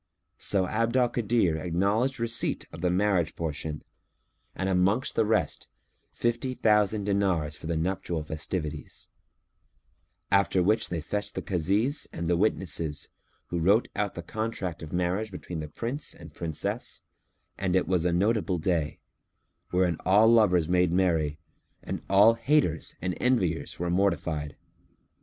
So Abd al Kadir acknowledged receipt of the marriage portion and amongst the rest, fifty thousand dinars for the nuptial festivities; after which they fetched the Kazis and the witnesses, who wrote out the contract of marriage between the Prince and Princess, and it was a notable day, wherein all lovers made merry and all haters and enviers were mortified.